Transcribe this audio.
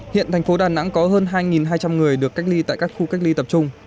hiện thành phố đà nẵng có hơn hai hai trăm linh người được cách ly tại các khu cách ly tập trung